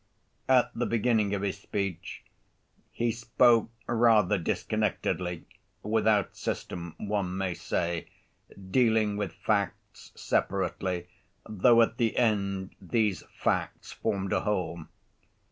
At the beginning of his speech he spoke rather disconnectedly, without system, one may say, dealing with facts separately, though, at the end, these facts formed a whole.